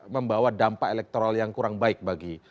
membawa dampak elektoral yang kurang baik bagi